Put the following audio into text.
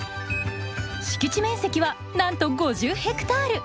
敷地面積はなんと５０ヘクタール。